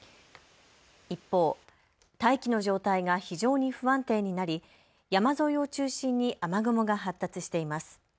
一方、大気の状態が非常に不安定になり山沿いを中心に雨雲が発達しています。